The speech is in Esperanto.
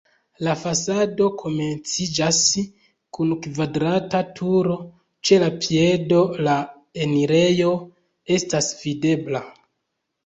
La fasado komenciĝas kun kvadrata turo, ĉe la piedo la enirejo estas videbla.